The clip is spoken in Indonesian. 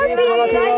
terima kasih rob